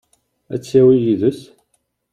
Ad t-yawi yid-s?